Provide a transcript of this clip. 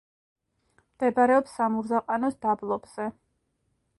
მდებარეობს სამურზაყანოს დაბლობზე.